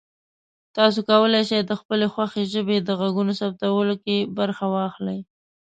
تاسو کولی شئ د خپلې خوښې ژبې د غږونو ثبتولو کې برخه واخلئ.